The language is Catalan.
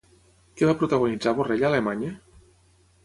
Què va protagonitzar Borrell a Alemanya?